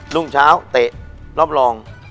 รุ่งเช้าเตะรอบรอง